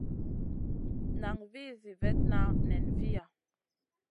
Nan vih zi vetna nen viya.